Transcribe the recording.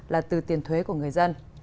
là từ tiền thuế của người dân